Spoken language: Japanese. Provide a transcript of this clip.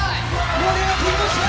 盛り上がっていきましょう！